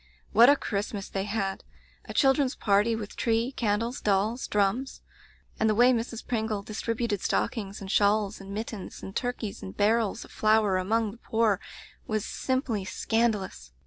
What a Christmas they had! A children's party, with tree, candles, dolls, drums; and the way Mrs. Pringle distributed stockings and shawls and mittens and turkeys and barrels of flour among the poor was simply scan dalous!